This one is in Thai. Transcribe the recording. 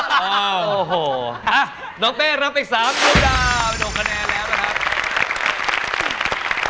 โอ้โหน้องเป้รับไป๓ดวงดาว๖คะแนนแล้วนะครับ